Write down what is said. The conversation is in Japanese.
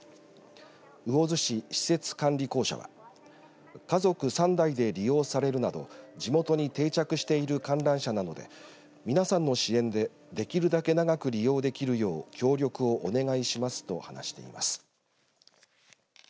魚津市施設管理公社は家族３代で利用されるなど地元に定着している観覧車なので皆さんの支援でできるだけ長く利用できるよう協力をお願いしますと話しています。